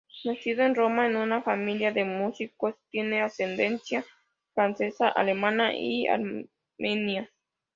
Nacido en Roma en una familia de músicos, tiene ascendencia francesa, alemana y armenia.